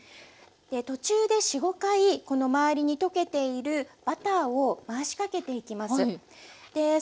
途中で４５回この周りに溶けているバターを回しかけていきます。